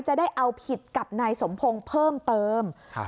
จะได้เอาผิดกับนายสมพงศ์เพิ่มเติมครับ